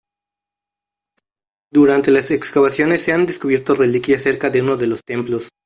Durante las excavaciones se han descubierto reliquias cerca de uno de los templos.